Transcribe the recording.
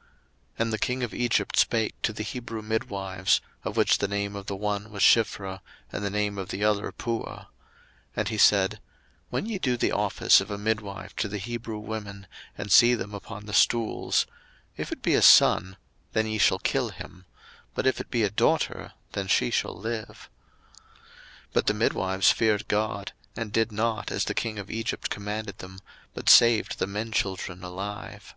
02:001:015 And the king of Egypt spake to the Hebrew midwives, of which the name of the one was Shiphrah, and the name of the other Puah: 02:001:016 And he said, When ye do the office of a midwife to the Hebrew women, and see them upon the stools; if it be a son, then ye shall kill him: but if it be a daughter, then she shall live. 02:001:017 But the midwives feared God, and did not as the king of Egypt commanded them, but saved the men children alive.